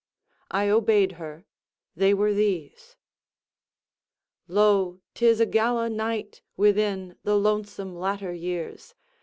I obeyed her. They were these: Lo! 'tis a gala night Within the lonesome latter years!